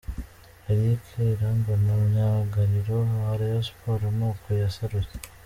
Eric Irambona myugariro wa Rayon Sport ni uku yaserutse.